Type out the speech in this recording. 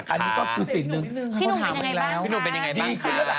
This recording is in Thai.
อันนี้ก็คือสิ่งนึงพี่หนุ่มเป็นยังไงบ้างคะ